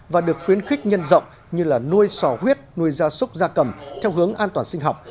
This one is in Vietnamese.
và được khuyến khích nhân rộng như nuôi sò huyết nuôi gia súc gia cầm theo hướng an toàn sinh học